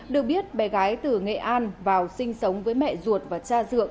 được biết bé gái từ nghệ an vào sinh sống với mẹ ruột và cha dượng